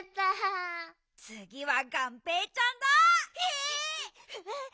つぎはがんぺーちゃんだ！え！